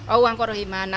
oh uang kerohiman